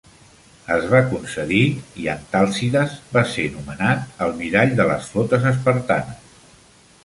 Es va concedir i Antalcidas va ser nombrat almirall de les flotes espartanes.